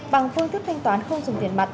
bằng phương thích thanh toán không dùng tiền mặt